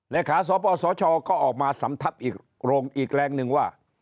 เลขาสปสชก็ออกมาสำทับอีกโรงอีกแรงหนึ่งว่า